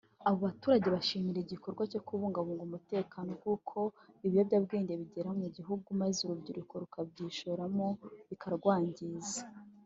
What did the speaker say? Abo baturage bashimirwa igikorwa cyo kubungabunga umutekano kuko ibi biyobyabwenge bigera mu gihugu maze urubyiruko rukabyishoramo bikarwangiza